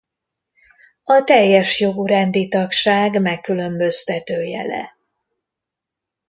A teljes jogú rendi tagság megkülönböztető jele.